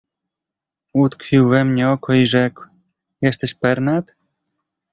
"Utkwił we mnie oko i rzekł: „Jesteś Pernat?"